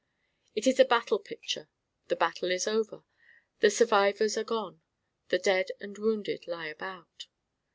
It is a battle picture: the battle is over: the survivors are gone: the dead and wounded lie about.